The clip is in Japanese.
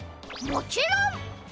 もちろん！